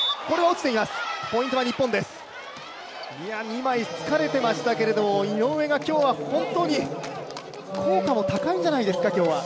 二枚つかれていましたけど、井上が今日は本当に、効果も高いんじゃないですか？